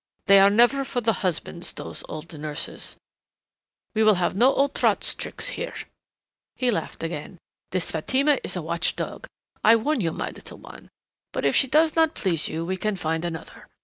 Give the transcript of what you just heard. "They are never for the husbands, those old nurses we will have no old trot's tricks here!" He laughed again. "This Fatima is a watch dog, I warn you, my little one ... but if she does not please you, we can find another.